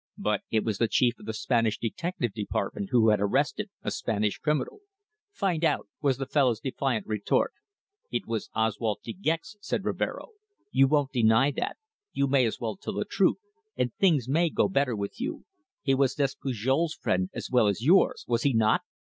But it was the Chief of the Spanish Detective Department who had arrested a Spanish criminal. "Find out," was the fellow's defiant retort. "It was Oswald De Gex," said Rivero. "You won't deny that! You may as well tell the truth, and things may go better with you. He was Despujol's friend, as well as yours was he not?"